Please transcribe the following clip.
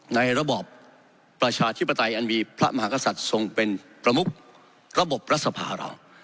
ในระบอบประชาธิปไตยอันมีพระมหากษัตริย์ทรงเป็นประมุกระบบรัฐสภาเรา